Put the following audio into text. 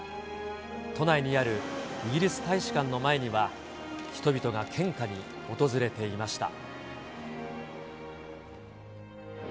都内にあるイギリス大使館の前には、人々が献花に訪れていました。